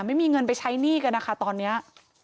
ไม่มีเงินไปใช้หนี้กันนะคะตอนนี้